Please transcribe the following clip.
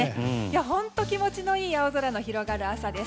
本当に気持ちの良い青空の広がる朝です。